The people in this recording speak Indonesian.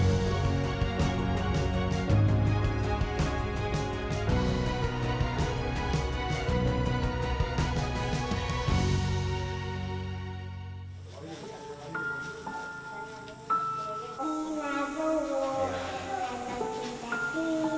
tidak ayun di gigi nyemuk